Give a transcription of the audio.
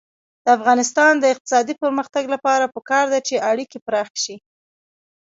د افغانستان د اقتصادي پرمختګ لپاره پکار ده چې اړیکې پراخې شي.